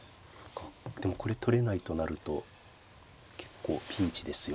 でもこれ取れないとなると結構ピンチですよ。